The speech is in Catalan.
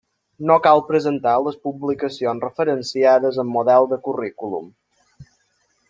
No cal presentar les publicacions referenciades en el model de currículum.